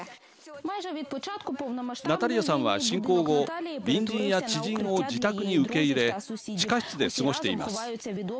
ナタリヤさんは侵攻後隣人や知人も自宅に受け入れ地下室で過ごしています。